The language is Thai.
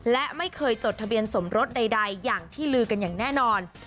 และไม่เคยจดทะเบียนสมรสใดอย่างที่ลือกันอย่างแน่นอน